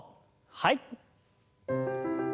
はい。